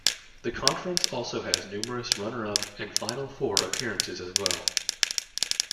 The conference also has numerous runner-up and final four appearances as well.